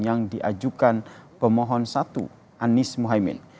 yang diajukan pemohon satu anies mohaimin